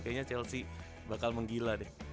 kayaknya chelsea bakal menggila deh